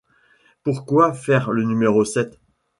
Pourquoi faire le numéro sept?